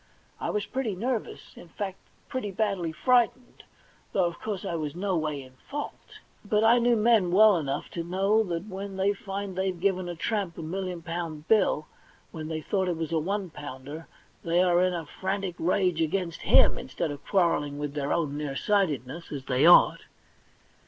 I was pretty nervous, in fact pretty badly frightened, though, of course, I was no way in fault ; but I knew men well enough to know that when they find they've given a tramp a million pound bill when they thought it was a one pounder, they are in a frantic rage against Mm instead of quarrelling with their own near sighted ness, as they ought.